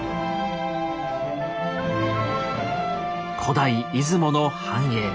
古代出雲の繁栄。